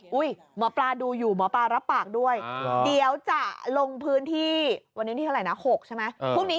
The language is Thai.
หมอปลาดูอยู่หมอปลารับปากด้วยเดี๋ยวจะลงพื้นที่วันนี้ที่เท่าไหร่นะ๖ใช่ไหม